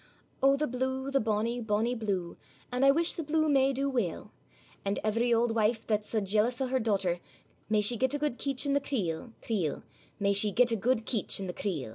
O! the blue, the bonny, bonny blue, And I wish the blue may do weel; And every auld wife that's sae jealous o' her dochter, May she get a good keach i' the creel, creel; May she get a good keach i' the creel!